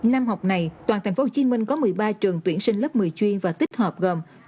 năm học này toàn tp hcm có một mươi ba trường tuyển sinh lớp một mươi chuyên và tích hợp gồm trung học phổ thông bùi thị xuân